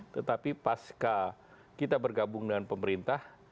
tetapi pas kita bergabung dengan pemerintah